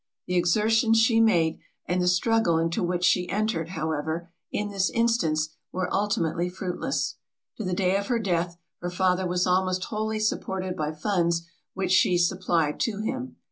The exertions she made, and the struggle into which she entered however, in this instance, were ultimately fruitless. To the day of her death her father was almost wholly supported by funds which she supplied to him.